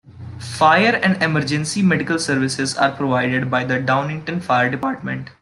Fire and emergency medical services are provided by the Downingtown Fire Department.